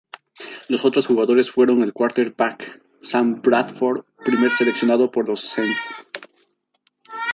Los otros jugadores fueron el quarterback Sam Bradford, primer seleccionado por los St.